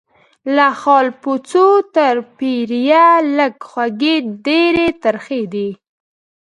له خالپوڅو تر پیریه لږ خوږې ډیري ترخې دي